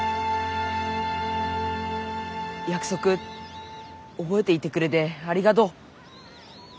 約束覚えていてくれてありがどう。